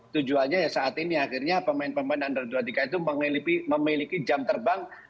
tujuannya ya saat ini akhirnya pemain pemain under dua puluh tiga itu memiliki jam terbang